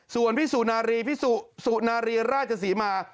ส่วนพี่สุนารีพี่สุสุนารีราชศรีมา